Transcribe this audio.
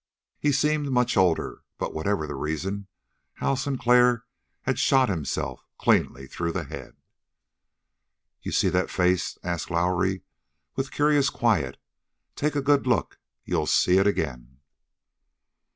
He seemed much older. But, whatever the reason, Hal Sinclair had shot himself cleanly through the head. "You see that face?" asked Lowrie with curious quiet. "Take a good look. You'll see it ag'in."